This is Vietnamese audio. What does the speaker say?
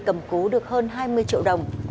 cầm cố được hơn hai mươi triệu đồng